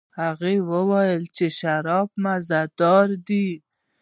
هغې وویل چې شراب مزه دار دي.